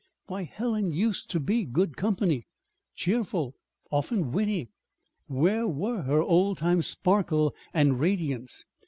Why, Helen used to be good company, cheerful, often witty. Where were her old time sparkle and radiance?